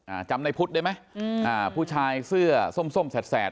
อ่าจำในพุทธได้ไหมอืมอ่าผู้ชายเสื้อส้มส้มแสด